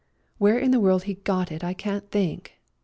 Where in the world he got it I can't think.